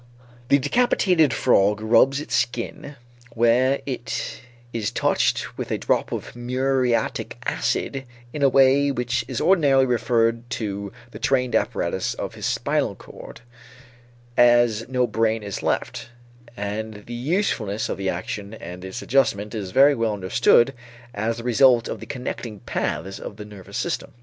The decapitated frog rubs its skin where it is touched with a drop of muriatic acid in a way which is ordinarily referred to the trained apparatus of his spinal cord, as no brain is left, and the usefulness of the action and its adjustment is very well understood as the result of the connecting paths in the nervous system.